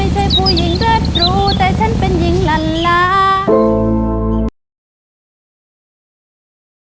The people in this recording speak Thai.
สวัสดีครับสวัสดีครับ